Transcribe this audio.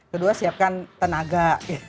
kedua siapkan tenaga